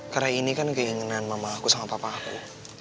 karena ini kan keinginan mama aku sama papa aku